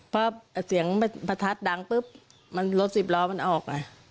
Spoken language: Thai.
เพราะเสียงประทัดดังปุ๊บรถสิบล้อมันออกไง